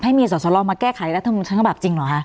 ให้มีส่วนสลองมาแก้ไขรัฐมนุนทั้งฉบับจริงหรอฮะ